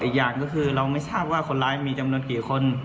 อีกอย่างก็คือเราไม่ทราบว่าคนร้ายมีจำนวนกี่คน